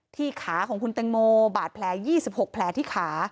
ขาของคุณแตงโมบาดแผล๒๖แผลที่ขา